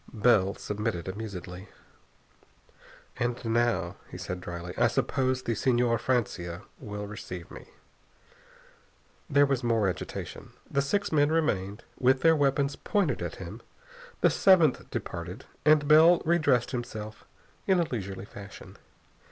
Bell submitted amusedly. "And now," he said dryly, "I suppose the Señor Francia will receive me?" There was more agitation. The six men remained; with their weapons pointed at him. The seventh departed, and Bell re dressed himself in a leisurely fashion.